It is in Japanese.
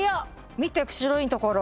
見て白いところ。